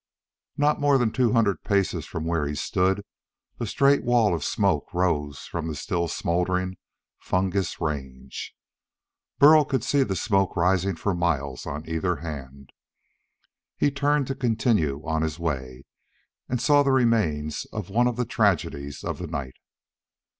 No more than two hundred paces from where he stood, a straight wall of smoke rose from the still smouldering fungus range. Burl could see the smoke rising for miles on either hand. He turned to continue on his way, and saw the remains of one of the tragedies of the night.